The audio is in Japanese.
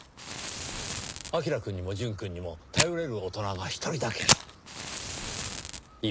彬くんにも淳くんにも頼れる大人が一人だけいました。